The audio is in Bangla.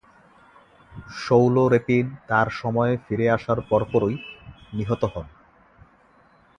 শৌল রেপিন তার সময়ে ফিরে আসার পরপরই নিহত হন।